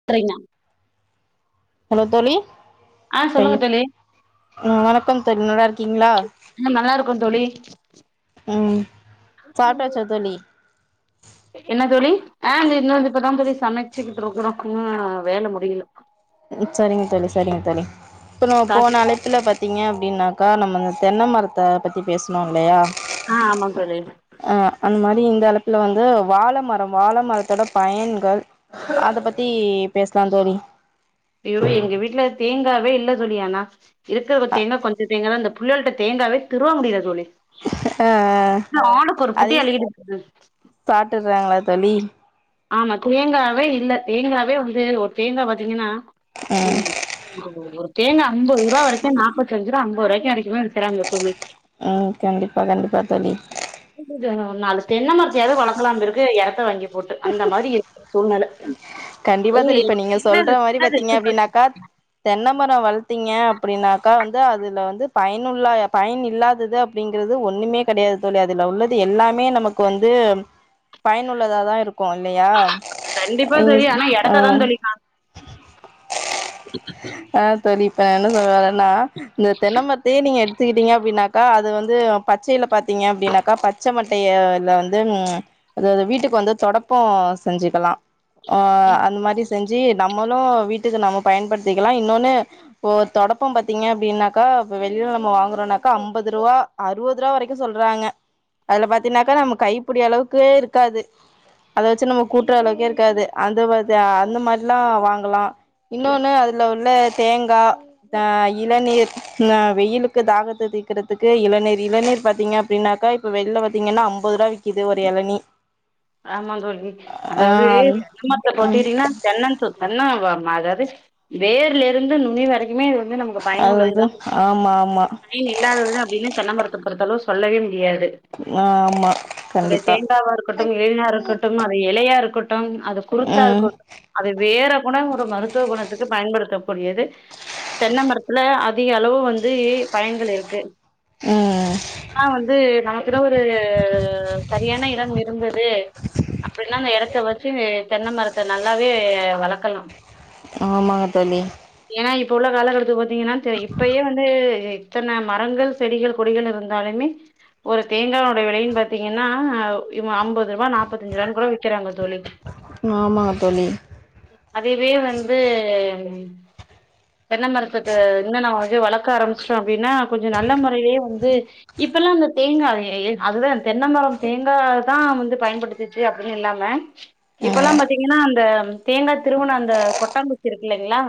[unintelligible] hello தோழி அ சொல்லுங்க ஐயோ தோழி ம் வணக்கம் தோழ் நல்லா இருக்கீங்ளா ஆ நல்லா இருக்கோ தோழி ம் சாட்டச்ச தோழி என்ன தோழி அ இந்த இன்னு இப்பதா தோழி சமைச்சுக்கிட்டுருக்கறோ ம் வேல முடியல ம் சரிங்க தோழி சரிங்க தோழி துன்னொ காஃபி போனாலே த்துல பாத்தீங்க அப்டின்னாக்கா நம்ம தென்ன மரத்த பத்தி பேசணோ இல்லையா அ ஆமா தோழி அ அந் மாரி இந்த அளப்புல வந்து வாழை மரம் வாழை மரத்தோட பயன்கள் அத பத்தி பேசலா தோழி ஐயோ எங்க வீட்ல தேங்காவே இல்ல தோழி ஆனா இருக்குறப அ தேங்காவே கொஞ்ச தேங்கா தா இந்தப் புள்ளைஓல்ட்ட தேங்காவே திருவ முடியுல தோழி ஆ ஆலுக்ஒரு புடி அல்லிக்கட் [inaudible] சாட்டுர்றாங்ளா தோழி ஆமா தேங்காவே இல்ல தேங்காவே வந்து ஒரு தேங்கா பாத்தீங்கன்னா ம் ஒரு தேங்கா அம்பதுரூவா வரைக்கு நாப்பத்ஞ்ரூவா அம்பது ரூவாய்க்கு வரக்குமே விக்குறாங்க தோழி அ கண்டிப்பா கண்டிப்பா தோழி [unintelligible] நாலு தென்னமரத்யாது வளக்கலாம் பெருக்கு எடத்த வாங்கி போட்டு அந்த மாரி இருக்கு சூழ்நலை கண்டிப்பா அ தோழி இப்ப [unintelligible] நீங்க சின்னது பின்னது இருக்குப்பாரு தென்னை மர வள்த்திங்க அப்படினாக்கா வந்து அதுல வந்து பயனுள்ள பயன் இல்லாதது அப்படிங்கறது ஒண்ணுமே கெடையாது தோழி அதுல உள்ளது எல்லாமே நமக்கு வந்து பயனுள்ளதா இருக்கு இல்லயா கண்டிப்பா தோழி நீங்கஸ் ஆனா அ எடத்ததா தோழி அ தோழி ப்ப என்ன சொல்ல வரன்னா இந்த தென்னை மர்த் தே நீங்க எடுத்துக்கிட்டீங்க அப்டினாக்கா அது வந்து பச்சையில பாத்தீங்க அப்டினாக்கா பச்சை மட் டையல வந்து அதாது வீட்டுக்கு வந்து தொடப்பொ செஞ்சுக்கலா அ அந்த மாரி செஞ்சு நம்மளு வீட்டுக்கு நம்ம பயன்படுத்திகலா இன்னொன்னு ப்போ தொடப்பொம் பாத்தீங்க அப்டின்னாக்கா ப்ப வெளில நம்ம வாங்குறோன்னாக்கா அம்பதுருவா அறுவதுரா வரைக்கு சொல்றாங்க அதுல பாத்தீன்னாக்க நம்ம கைப்புடி அளவுக்கே இருக்காது அத வச்சு நம்ம கூட்டுற அளவுக்கே இருக்காது அந்து வதுஅந்த மாரிலா வாங்கலா இன்னொன்னு அதுல உள்ள தேங்கா த இளநீர் ந வெயிலுக்கு தாகத்த தீக்குறதுக்கு இளநீர் இளநீர் பாத்தீங்க அப்படின்னாக்கா ப்ப வெள்ல பாத்தீங்கன்னா அம்பதுரூவா விக்குது ஒரு எளனி ஆமாந்தோழி அதாது ஏமாத்த ஆ ம் பாத்திட்டின்னா தென்னந்த்து தென்ன வ அதாது வேர்லேருந்து நுனி வரைக் குமே இது வந்து நமக்கு அது வந்து பயனுள்ளதுதா ஆமா ஆமா பயின் இல்லாதது அப்டின்னு தென்னமரத்தப் பொறுத்தளவு சொல்லவே முடியாது ஆ ஆமா அதே கண்டிப்பா தேங்காவா ருக்கட்டும் இளினா ருக்கட்டும் அது இலையா இருக்கட்டும் அது குருத்தா ம் இருக்குட் அது வேரகுட ஒரு மருத்துவ குணத்துக்கு பயன்படுத்தக்கூடியது தென்ன மரத்துல அதிக அளவு வந்துஊ பயன்கள் இருக்கு ம் ஆனா வந்து நமக்குதா ஒரு சரியான இடம் இருந்த து அப்டின்னா அந்த எடத்த வச்சு தென்ன மரத்த நல்லாவே வளக்கலா ஆமாங்க தோழி ஏனா இப்ப உள்ள காலகட்டதுக்கு பாத்தீங்கனா இப்பயே வந்து இத்தன மரங்கள் செடிகள் கொடிகள் இருந்தாலுமே ஒரு தேங்காயோட வெலையின் பாத்தீங்கன்னா ஐம்பது ரூபா நாப்பத்தஞ்சுரூபானு கூட விக்கிறாங்க தோழி ஆமாங்க தோழி அதுவே வந்து தென்னை மரத்துக்கு இன்னு நா கொச்ஞோ வந்து வளர்க்க ஆரம்பிச்சிட்டேன் அப்டினா கொஞ்சம் நல்ல முறையிலே வந்து இப் இப்பல்லா அந்த தேங்கா அதுதா தென்னை மரம் தேங்கா தா வந்துட் பயன்படுத்துச்சு அப்படின்னு இல்லாம இப்பல்லா ம் பாத்தீங்கன்னா அந்த தேங்கா திருவுன அந்த கொட்டாங்குச்சி இருக்குல்லைங்ளா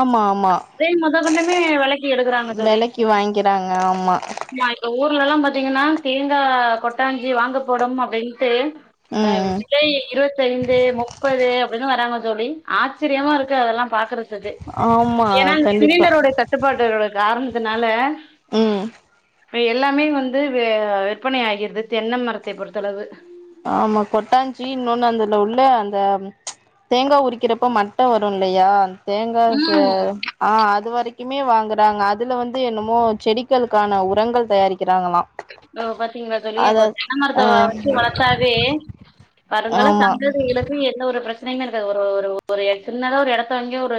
ஆமா ஆமா அதயு மொதகொண்டுமே வெலைக்கு எடுக்கறாங்க தோழி வெலைக்கு வாங்கிறாங்க ஆமா ஆமா எங்க ஊர்லல்லா பாத்தீங்கன்னா தேங்கா கொட்டாஞ்சி வாங்க படும் அப்டின்ட்டு அ ம் ம் விலை இருவத் ஐந்து முப்பது அப்டின்னு வராங்க தோழி ஆச்சரியமா இருக்கு அதெல்லா பாக்குறக் க்கு ஆமா ஏன்னா இந்த கண்டிப்பா சிலிண்டரோட தட்டுப்பாட்டோட காரணத்துனால ம் ப்ப எல்லாமே வந்து விற்பனை ஆகிறது தென் மரத்தை பொறுத்தளவு ஆமா கொட்டாஞ்சி இன்னொன்னு அதுல உள்ள அந்த தேங்கா உரிக்கிறப்ப மட்டை வரு இல்லையா தேங்கா ச ம் ஆஹ் அது வரைக்குமே வாங்குறாங்க அதுல வந்து என்னமோ செடிகளுக்கான உரங்கள் தயாரிக்கிறாங்களா ஓ பாத்தீங்களா தோழி அத ஒரு தென்ன மரத்த ஆ வச்சு வளர்த்தா தே வருங்கால ஆமா சந்ததிகளு எந்த ஒரு பிரச்சனையுமே இருக்காது ஒரு ஒரு சின்னதா ஒரு எடத்த வாங்கி ஒரு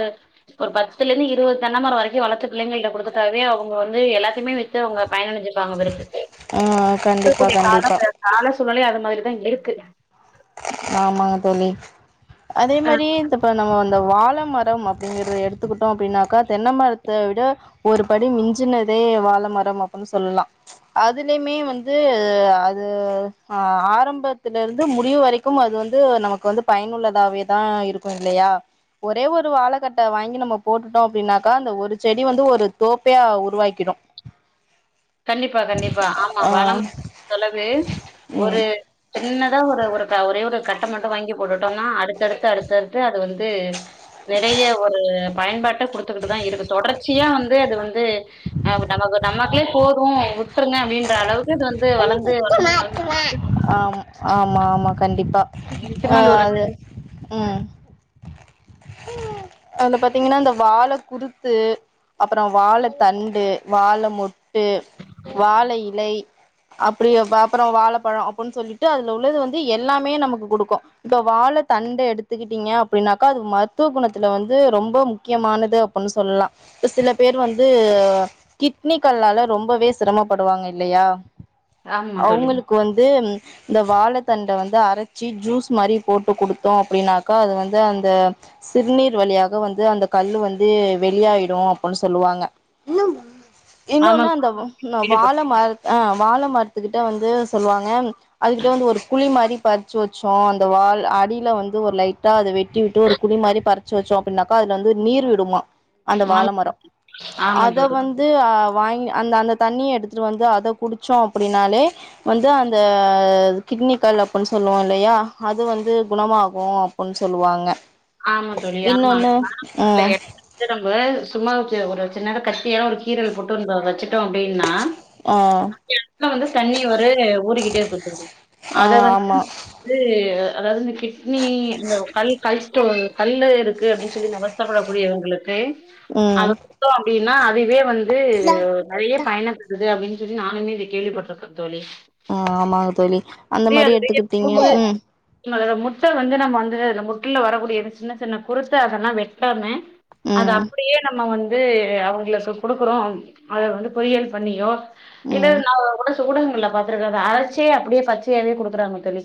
ஒரு பத்துலந்து இருபது தென்னைமர வரைக்கு வளத்து பிள்ளைங்கள்ட்ட குடுத்துட்டாவே அவங்க வந்து எல்லாத்தையுமே வித்து அவங்க பயனட சிப்பாங்க ஆ கண்டிப்பா இருக்கக்கூடிய கால கண்டிப்பா கால சூழ்நிலை அது மாரிதா இருக்கு ஆமாங்க தோழி அதே ஆ மாரி இந்த ப்ப நம்ம வாழை மர ம் அப்டிங்கற எடுத்துக்கிட்டோம் அப்டின்னாக்கா தென்னமரத்த விட ஒரு படி மிஞ்சினதே வாழ மரம் அப்புன் சொல்லலா அதுலயுமே வந்து அது ஆரம்பத்திலருந்து முடிவு வரை க்கும் அது வந்து நமக்கு வந்து பயனுள்ளதாவே தா இருக்கு இல்லையா ஒரே ஒரு வாழகட்டை வாங்கி நம்ம போட்டுட்டோ அப்டின்னாக்கா அந்த ஒரு செடி வந்து ஒரு தோப்பே உருவாக்கிடு கண்டிப்பா கண்டிப்பா ஆமா ஆ வாழமரத்த பொருத்லவு ஒரு ம் சின்னதா ஒரு ஒரு ஒரே ஒரு கட்டை மட்டு வாங்கி போட்டுட்டோனா அடுத்தடுத்து அடுத்தடுத்து அது வந்து நெறய ஒரு பயன்பாட்ட குடுத் தா இருக்கு தொடர்ச்சியா வந்து அது வந்து நமக்கு நமக்குளே போது வுட்டுருங்க அப்டின்ற அளவுக்கு இது வந்து வளந்து வளந்து ஆ ஆமா ஆமா கண்டிப்பா ஆ நிச்சயமா ஒரு அது உம் [inaudible] அதுல பாத்தீங்கன்னா அந்த வாழை குறுத்து அப்புற வாழ தண்டு வாழ மொட்டு வாழ இலை அப்டி அப்புற வாழைப்பழம் அப்டி சொல்லிட்டு அதுல உள்ளது வந்து எல்லாமே நமக்கு குடுக்கு இப்ப வாழ தண்டை எடுத்துக்கிட்டீங்க அப்டின்னாக்கா அதுக்கு மருத்துவ குணத்துல வந்து ரொம்ப முக்கியமானது அப் ன் சொல்லலா சில பேர் வந்து கிட்னி கல்லால ரொம்பவே சிரமப்படுவாங்க இல்லையா ஆமா தோழி அவ்ங்களுக்கு வந்து இந்த வாழ தண்டை வந்து அரைச்சி ஜூஸ் மாரி போட்டு குடுத்தோ அப்டின்னாக்கா அது வந்து அந்த சிறுநீர் வழியாக வந்து அந்த கல்லு வந்து வெளியாயிடு அப்புன் சொல்லுவாங்க ஆமா இன்னொன்னு அந்த வாழ கேள்விப்பட் மர ஆ வாழ மரத்துக்கிட்ட வந்து சொல்வாங்க அதுகிட்ட வந்து ஒரு குழி மாரி பறிச்சு வச்சோ அந்த வால் அடியில வந்து ஒரு லைட்டா அத வெட்டி விட்டு ஒரு குழி மாரி பறிச்சு வச்சோ அப்டின்னாக்கா அதுல வந்து நீர் விடுமா அந்த ஆம் வாழமரோ ஆமா அத தோழி வந்து வந்து வாங்கி அந்த அந்த தண்ணிய எடுத்துட்டு வந்து அத குடிச்சோ அப்டின்னாலே வந்து அந்த கிட்னி கல் அப்பின்னு சொல்லுவோ இல்லையா அது வந்து குணமாகு ன்னு சொல்லுவாங்க ஆமா தோழி ஆமா இன்னொன்னு ஆமா இல்ல ம் இ இத நம்ம சும்மா ஒரு சின்னதா கத்தியால ஒரு கீரல் போட்டு வந்து வச்சுட்டோ அப்டின்னா ஆ கெனத்துல வந்து தண்ணி ஒரு ஊருக்கிட்டே இருக்கு தோழி ஆ அத வந்து ஆமா நம்ப அது அதாவது இந்த கிட்னி இந்த கல் கல் கல்லு இருக்கு அப்டின்னு சொல்லி வருத்தப்படக்கூடியவங்களுக்கு அவ ம் அப்டின்னா அதுவே வந்து நெறைய பயணிருக்குது அப்டின்னு சொல்லி நானுமே இத கேள்விப்பட்ருக்கே தோழி ஆஹ் ஆமாங்க தோழி அந்த மாரி எடுத்துக்கிட்டீங்கனா உம் உங்களோட முட்ட வந்து நம்ம வந்து முட்டில வரக்கூடிய சின்ன சின்ன குறுத்து அதெல்லா வெட்டாம அது ம் அப்டியே நம்ம வந்து அவங்க கொடுக்குறோ அத வந்து பொறியல் பண்ணியோ இல்ல ம் நா ஒரு சில ஊடகங்கள்ல பாத்துருக்கே அரைச்சே அப்டியே பச்சையாவே குடுத்துறாங்க தோழி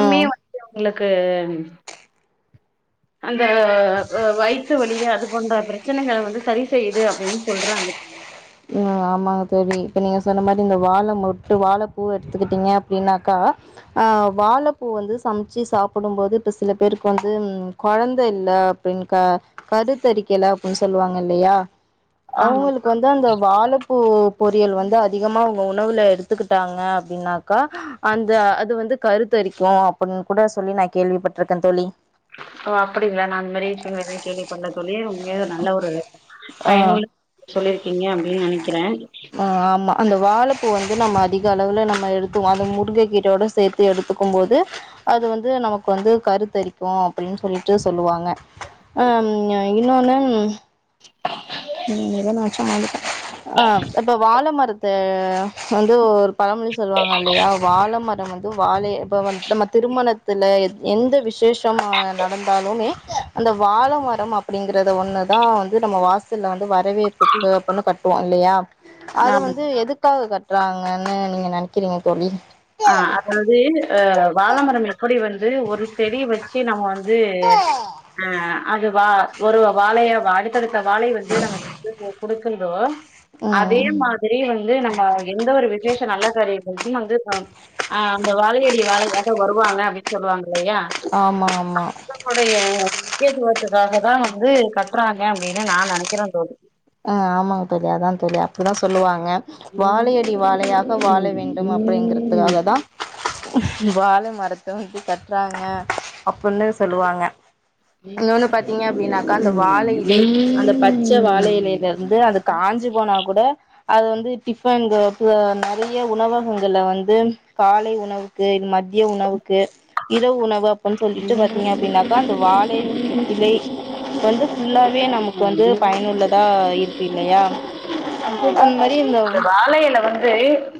ஆ வந்து உங்களுக்கு அந்த வயித்து வழியு அது போன்ற பிரச்சனைகள வந்து சரி செய்யுது அப்படின்னு சொல்றாங்க தோழி உம் ஆமாங்க தோழி இப்ப நீங்க சொன்ன மாரி இந்த வாழை முட்டு வாழை பூ எடுத்துக்கிட்டீங்க அப்டின்னாக்கா வாழப்பூ வந்து சமைச்சு சாப்டும்போது இப்போ சில பேருக்கு வந்து கொழந்த இல்ல கருத்தரிக்கல அப்படின்னு சொல்லுவாங்க இல்லயா ஆமா அவங்களுக்கு வந்து அந்த வாழ ப்பூ பொறியல் வந்து அதிகமா அவங்க உணவுல எடுத்துக்கிட்டாங்க அப்படின்னாக்கா அந்த அது வந்து கருத்தரிக்கு அப்படின் கூட சொல்லி நா கேள்விப்பட்டிருக்கே தோழி ஓ அப்படிங்களா நா அந்த மாரி விஷயோ எதுவு கேள்வி படல தோழி உண்மயாவே நல்ல ஒரு ஆ பயனுள்ள சொல்லிருக்கீங்க அப்டின்னு நெனைக்கிறே ஆ ஆமா அந்த வாழைப்பூ வந்து நம்ம அதிக அளவுல நம்ம எடுத்துவோ அத முருங்கை கீரயோட சேத்து எடுத்துக்குபோது அது வந்து நமக்கு வந்து கருத்தரிக்கு அப்படின்னு சொல்லிட்டு சொல்லுவாங்க அம் இன்னொன்னு உம் வில்லனாச்சு ஆயிருப்பே ஆ இப்ப வாழ மரத்த வந்து ஒரு பழமொழி சொல்லுவாங்க இல்லயா வாழ மரம் வந்து வாழைய இப்ப வந்து நம்ம திருமணத்துல எந்த விசேஷமா நடந்தாலுமே அந்த வாழ மரம் அப்படிங்கறது ஒண்ணுதா வந்து நம்ம வாச வந்து வரவேற்புக்கு அப்டுன்னு கட்டுவோ இல்லையா அத நாம வந்து எதுக்கு உக்காது கட்டுறாங்கன்னு நீங்க நினைக்கிறீங்க தோழி ஆஹ் அதாவது அஹ் வாழைமரம் எப்படி வந்து ஒரு செடி வச்சு நம்ம வந்து ஆ அது வா ஒரு வாழய வா அடுத்தடுத்த வாழை வந்து நம்ம குடுக்கரதா ம் அதே மாரி வந்து நம்ம எந்த ஒரு விசேஷ நல்ல காரியங்களுக்கு வந்து ஆஹ் அந்த வாழயடி வாலயாகதா வருவாங்க அப்படின்னு சொல்லுவாங்க இல்லையா ஆமா ஆமா ளுடைய முக்கியத்துவத்துக்காக தா வந்து கட்டுறாங்க அப்படின்னு நான் நினைக்கிறே தோழி ஆ ஆமாங்க தோழி அதா தோழி அப்டிதா சொல்லுவாங்க வாழையடி வாழையாக வாழ வேண்டும் அப்டிங்கறதுக்காக தா வாழ மரத்த வந்து கட்டுறாங்க அப்புனு சொல்லுவாங்க இன்னொன்னு பாத்தீங்க அப்டின்னாக்கா அந்த வாழ இலை அந்த பச்ச வாழ இலேல இந்த இருந்து அது காஞ்சி போனா கூட அது வந்து டிஃபன் கேப்ல நெறைய உணவகங்கள்ல வந்து காலை உணவுக்கு மத்திய உணவுக்கு இரவு உணவப் பொல் சொல்லிட்டு பாத்தீங்க அப்டின்னாக்கா அந்த வாழையு இலை வந்து ஃபுல்லாவே நமக் கு வந்து பயனுள்ளதா இருக்கு இல்லயா இந்த வாழல இல வந்து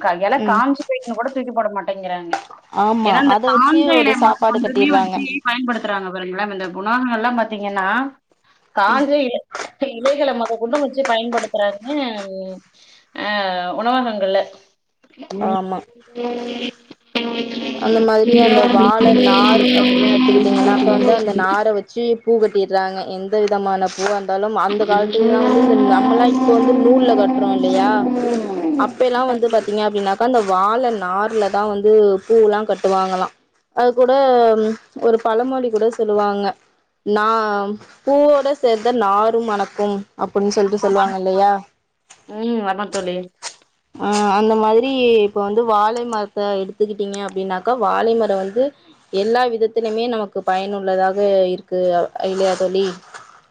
கையால ம் காஞ்சி பே பின்னு கூட தூக்கி போட மாட்டேங்கிறாங்க ஆமா ஏனா அந்த அத வச்சு காஞ்ச எல ஒரு மட் சாப்பாடு டுமிய கட்டிறாங்க வச்சி பயன்படுத்துறாங்க பாருங்கள இந்தகுணாகங் ல்லா பாத்தீங்கன்னா காஞ்ச இலை இலைகள மொத கொண்டு வச்சி பயன்படுத்துறாங்க அ உணவகங்கள்ல ஆமா அந்த மாதிரி அந்த வாழ நா ஆறு அப்டிய எடுத்துக்கிட்டீங்கன்னா அந்த நாரை வச்சி பூ கட்டிறாங்க எந்த விதமான பூ அந் தலும் அந்த காலத்துலா வந்து நம்மல்லா இப்ப வந்து நூல்ல கட்றோ இல்லையா அப் இப்பேல்லா வந்து பாத்தீங்க அப்டின்னாக்கா அந்த வாழ நார்லதா வந்து பூல்லா கட்டுவாங்கலா அது கூட ஒரு பழமொழி கூட சொல்லுவாங்க நா பூவோட சேர்ந்த நாரு மணக்கு அப்டின் சொல்ட்டு சொல்லுவாங்க இல்லயா உம் அதா தோழி ஆ அந்த மாறி இப்ப வந்து வாழை மரத்த எடுத்துக்கிட்டீங்க அப்டின்னாக்கா வாழை மரம் வந்து எல்லா விதத்துலமே நமக்கு பயனுள்ளதாக இருக்கு அ இல்லயா தோழி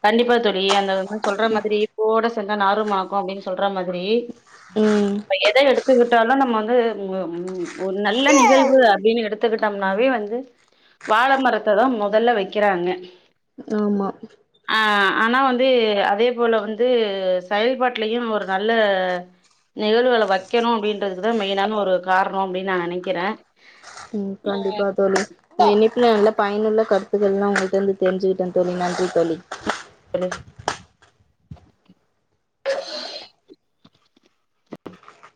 கண்டிப்பா தோழி அந்த சொல்ற மாதிரி பூவோட சேந்த நருமாகு அப்டின்னு சொல்ற மாதிரி ம் எத எடுத்துக்கிட்டாலு நம்ம வந்து உ ஒரு நல்ல நிகழ்வு அப்டின்னு எடுத் துக்கிட்டம்னாவே வந்து வாழ மரத்த தா மொதல்ல வக்கிறாங்க ஆமா ஆ ஆனா வந்து அதே போல வந்து செயல்பாட்டுலையு ஒரு நல்ல நிகழ்வுகள வக்கணு அப்டின்றதுதா மெயினான ஒரு காரணோ அப்டின்னு நா நெனைக்கிற உம் கண்டிப்பா தோழி இன்னிக்னா நல்லா பயனுள்ள கருத்துக்கள் எல்லா உங்கிட்ட வந்து தெரிஞ்சுக்கிட்ட தோழி நன்றி தோழி [unintelligible] ம